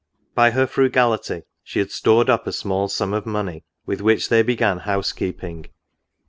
By her frugality she had stored up a small sum of money, with which they began housekeeping.